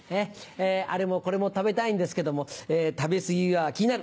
あれもこれも食べたいんですけども食べ過ぎが気になる